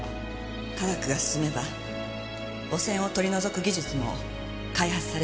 科学が進めば汚染を取り除く技術も開発されるはず。